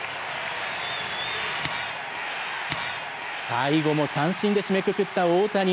最後も三振で締めくくった大谷。